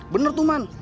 bener tuh man